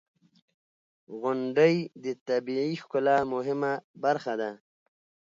• غونډۍ د طبیعی ښکلا مهمه برخه ده.